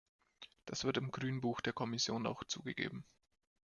Das wird im Grünbuch der Kommission auch zugegeben.